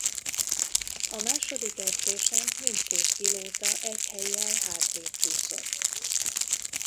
A második edzésen mindkét pilóta egy hellyel hátrébb csúszott.